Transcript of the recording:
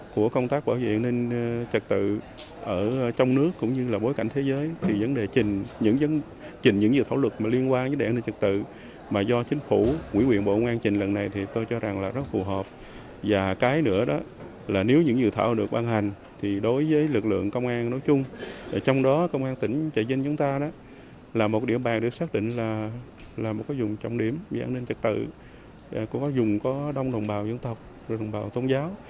các dự án luật có dùng trọng điểm dự án ninh trật tự có dùng có đông đồng bào dân tộc đồng bào tôn giáo